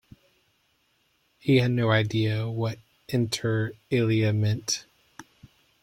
He had no idea what inter alia meant.